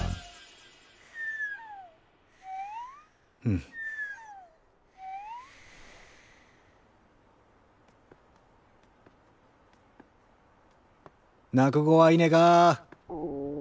うん。泣く子はいねが。